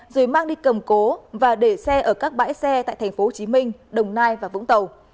rồi mang đi cầm cố và để xe ở các bãi xe tại tp hcm đồng nai và vũng tàu